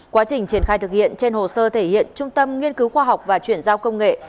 quá trình triển khai thực hiện trên hồ sơ thể hiện trung tâm nghiên cứu khoa học và chuyển giao công nghệ